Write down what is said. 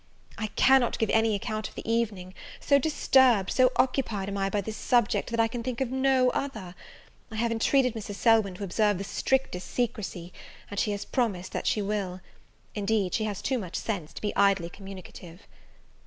I cannot give any account of the evening; so disturbed, so occupied am I by this subject, that I can think of no other. I have entreated Mrs. Selwyn to observe the strictest secrecy, and she has promised that she will. Indeed, she has too much sense to be idly communicative.